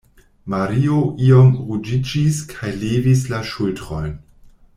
Mario iom ruĝiĝis kaj levis la ŝultrojn.